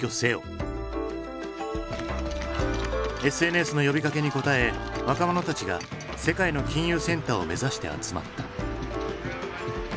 ＳＮＳの呼びかけに応え若者たちが世界の金融センターを目指して集まった。